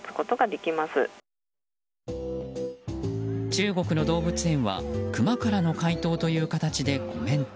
中国の動物園はクマからの回答という形でコメント。